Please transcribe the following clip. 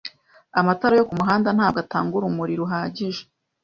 Amatara yo kumuhanda ntabwo atanga urumuri ruhagije.